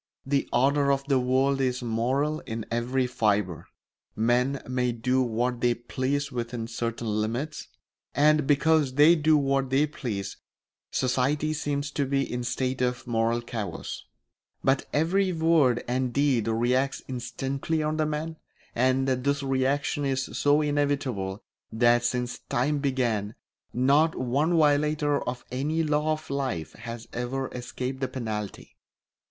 The order of the world is moral in every fibre; men may do what they please within certain limits, and because they do what they please society seems to be in a state of moral chaos; but every word and deed reacts instantly on the man, and this reaction is so inevitable that since time began not one violator of any law of life has ever escaped the penalty.